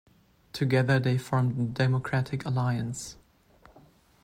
Together they formed the Democratic Alliance.